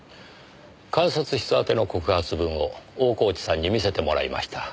監察室宛ての告発文を大河内さんに見せてもらいました。